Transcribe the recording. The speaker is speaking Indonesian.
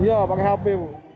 iya pakai hp bu